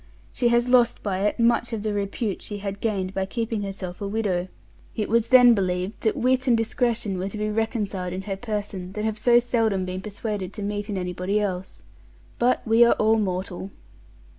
She has lost by it much of the repute she had gained by keeping herself a widow; it was then believed that wit and discretion were to be reconciled in her person that have so seldom been persuaded to meet in anybody else. But we are all mortal.